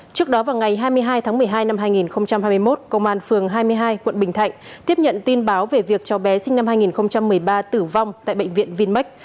trước đó vào ngày hai mươi hai tháng một mươi hai năm hai nghìn hai mươi một công an phường hai mươi hai quận bình thạnh tiếp nhận tin báo về việc cháu bé sinh năm hai nghìn một mươi ba tử vong tại bệnh viện vinmec